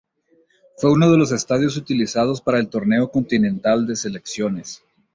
Fue uno de los estadios utilizados para el Torneo continental de selecciones.